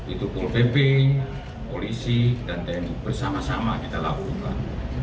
itu pol pp polisi dan tni bersama sama kita lakukan